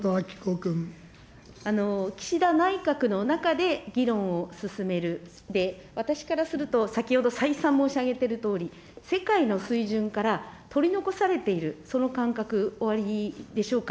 岸田内閣の中で議論を進める、私からすると、先ほど、再三申し上げているとおり、世界の水準から取り残されている、その感覚、おありでしょうか。